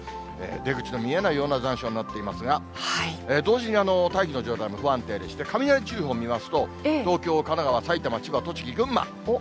出口の見えないような残暑になっていますが、同時に、大気の状態も不安定でして、雷注意報見ますと、東京、神奈川、埼玉、千葉、栃木、群馬。